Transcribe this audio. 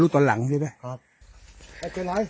อ๋อมรู้ตอนหลังอีกนะ